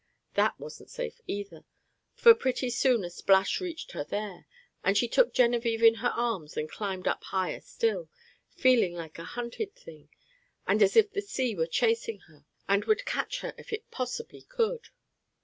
That wasn't safe either, for pretty soon a splash reached her there, and she took Genevieve in her arms and climbed up higher still, feeling like a hunted thing, and as if the sea were chasing her and would catch her if it possibly could.